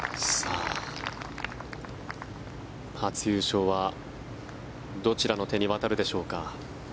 初優勝はどちらの手に渡るでしょうか。